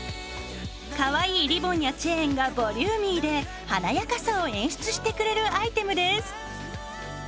かわいいリボンやチェーンがボリューミーで華やかさを演出してくれるアイテムです。